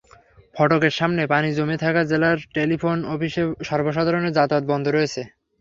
ফটকের সামনে পানি জমে থাকায় জেলার টেলিফোন অফিসে সর্বসাধারণের যাতায়াত বন্ধ রয়েছে।